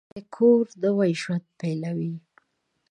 نوی کور نوی ژوند پېلوي